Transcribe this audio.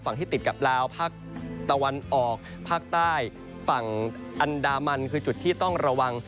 ที่ติดกับลาวภาคตะวันออกภาคใต้ฝั่งอันดามันคือจุดที่ต้องระวัง